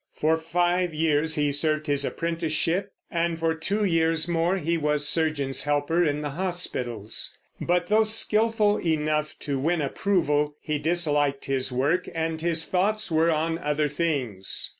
For five years he served his apprenticeship, and for two years more he was surgeon's helper in the hospitals; but though skillful enough to win approval, he disliked his work, and his thoughts were on other things.